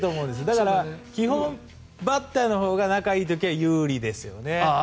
だから、基本はバッターのほうが仲いい時は有利ですよね。